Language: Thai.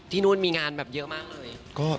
ที่นู่นมีงานเยอะมาก